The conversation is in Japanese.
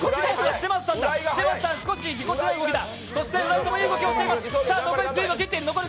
嶋佐さん、ちょっとぎこちない動きだ。